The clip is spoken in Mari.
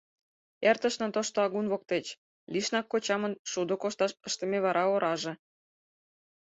Эртышна тошто агун воктеч, лишнак кочамын шудо кошташ ыштыме вара ораже.